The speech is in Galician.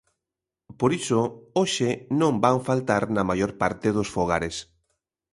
Por iso, hoxe non van faltar na maior parte dos fogares.